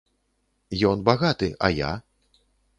Ён багаты, а я?